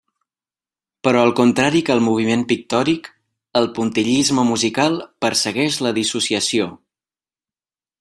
Però, al contrari que el moviment pictòric, el puntillisme musical persegueix la dissociació.